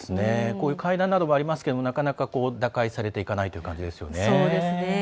こういう会談などもありますけれどもなかなか打開されていかない感じですよね。